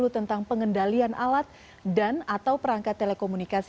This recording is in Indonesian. tentang pengendalian alat dan atau perangkat telekomunikasi